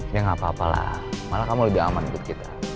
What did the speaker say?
ya nggak apa apa lah malah kamu lebih aman untuk kita